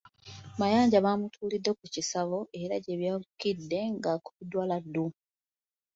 Mayanja baamutuulidde ku kisaabo era gye bakkidde ng'akubiddwa laddu.